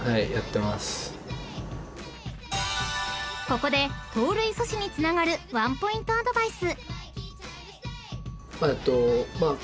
［ここで盗塁阻止につながるワンポイントアドバイス］